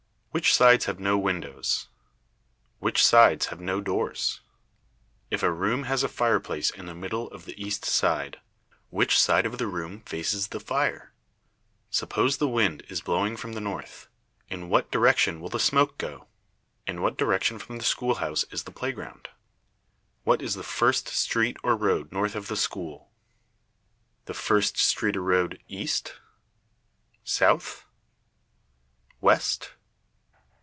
Which sides have no windows? Which sides have no doors? If a room has a fireplace in the middle of the east side, which side of the room faces the fire? Suppose the wind is blowing from the north, in what direction will the smoke go? In what direction from the schoolhouse is the playground? What is the first street or road north of the school? The first street or road east? South? West?